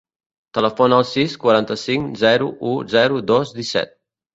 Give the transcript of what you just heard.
Telefona al sis, quaranta-cinc, zero, u, zero, dos, disset.